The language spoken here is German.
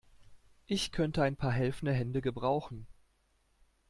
Ich könnte ein paar helfende Hände gebrauchen.